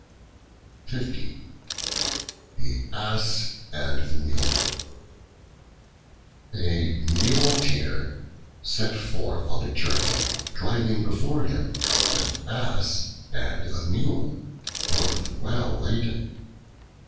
The Ass and the Mule A MULETEER set forth on a journey, driving before him an Ass and a Mule, both well laden.